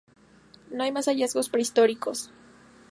No hay más hallazgos prehistóricos...